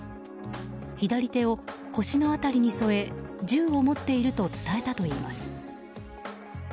左手を腰の辺りに添え銃を持っていると伝えたといいます。